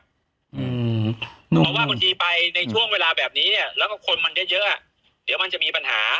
เพราะว่าบางทีไปในช่วงเวลาแบบนี้เนี่ยแล้วก็คนมันเยอะเดี๋ยวมันจะมีปัญหา